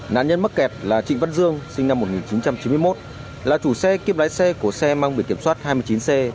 nạn nhân mắc kẹt là trịnh văn dương sinh năm một nghìn chín trăm chín mươi một là chủ xe kiếp lái xe của xe mang bị kiểm soát hai mươi chín c bảy mươi tám nghìn sáu trăm chín mươi bốn